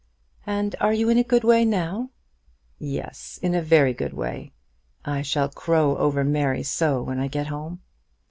"And are you in a good way now?" "Yes; in a very good way. I shall crow over Mary so when I get home."